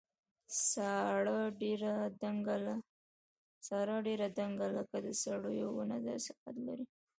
ساره ډېره دنګه لکه د سروې ونه داسې قد لري.